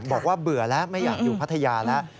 เบื่อแล้วไม่อยากอยู่พัทยาแล้ว